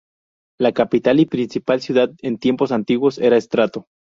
La capital y principal ciudad en tiempos antiguos era Estrato.